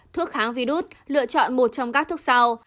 thuốc kháng virus lựa chọn một trong các thuốc sau